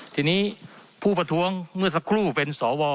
ทีนี้ผู้ประท้วงเมื่อสักครู่เป็นสว